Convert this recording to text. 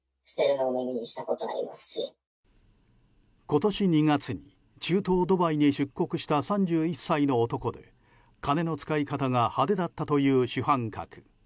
今年２月に中東ドバイに出国した３１歳の男で金の使い方が派手だったという主犯格。